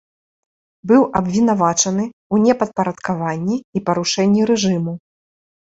Быў абвінавачаны ў непадпарадкаванні і парушэнні рэжыму.